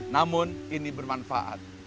namun ini bermanfaat